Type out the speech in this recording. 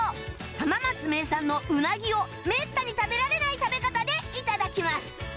浜松名産のうなぎをめったに食べられない食べ方で頂きます